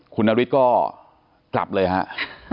คุณนฤทธิ์ก็กลับเลยครับ